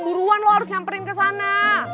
buruan lo harus nyamperin ke sana